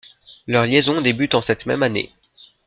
Leur liaison débute en cette même année.